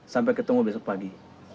sampai ketemu besok pagi